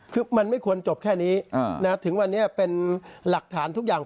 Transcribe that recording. คือมันไม่ควรจบแค่นี้ถึงวันนี้เป็นหลักฐานทุกอย่าง